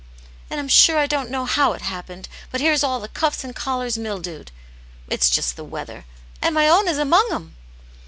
"And I'm sure I don't know how it happened, but here's all the cuffs and collars mildewed; it's just the weather ; and my own isamong 'em."